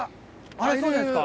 あれそうじゃないですか？